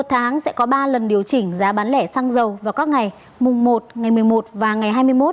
một tháng sẽ có ba lần điều chỉnh giá bán lẻ xăng dầu vào các ngày mùng một ngày một mươi một và ngày hai mươi một